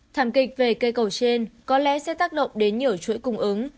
thảm kịch về cây cầu trên có lẽ sẽ tác động đến nhiều chuỗi cung ứng